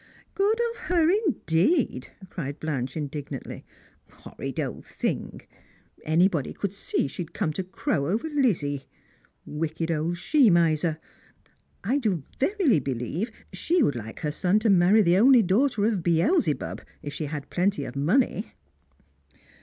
" Good of her, indeed !" cried Blanche indignantly. " Horrid old thing ! Anybody could see that she came to crow over Lizzie. Wicked old sne miser ! I do verily believe she would like her son to marry the only daughter of Beelzebub if she had plenty of money."